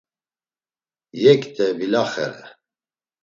Yekt̆e vilaxare.